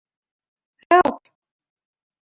Help.